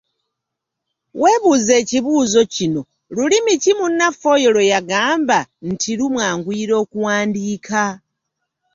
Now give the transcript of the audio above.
Weebuuze ekibuuzo kino, lulimi ki munnaffe oyo ye lw'agamba nti lumwanguyira okuwandiika?